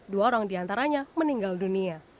dua orang diantaranya meninggal dunia